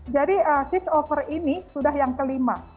jadi eee switch over ini sudah yang kelima